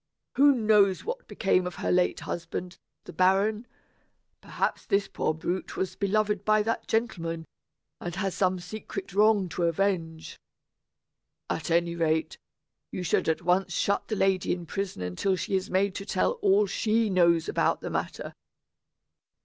Who knows what became of her late husband, the baron? Perhaps this poor brute was beloved by that gentleman, and has some secret wrong to avenge. At any rate, you should at once shut the lady in prison until she is made to tell all she knows about the matter.